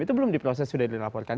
itu belum diproses sudah dilaporkan